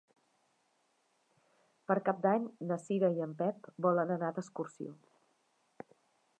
Per Cap d'Any na Cira i en Pep volen anar d'excursió.